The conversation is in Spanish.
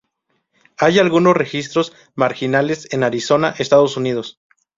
Hay algunos registros marginales en Arizona, Estados Unidos.